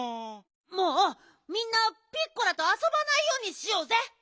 もうみんなピッコラとあそばないようにしようぜ。